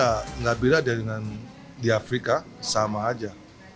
rasanya gak beda dengan di afrika sama aja